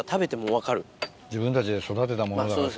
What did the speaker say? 自分たちで育てたものだからさ。